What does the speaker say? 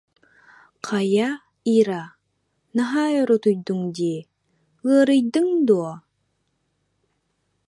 Хайа, Ира, наһаа өр утуйдуҥ дии, ыарыйдыҥ дуо